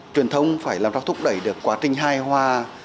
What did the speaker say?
truyền thông phải làm ra thúc đẩy được quá trình hai hoa